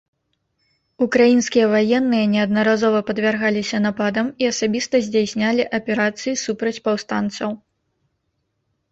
Украінскія ваенныя неаднаразова падвяргаліся нападам і асабіста здзяйснялі аперацыі супраць паўстанцаў.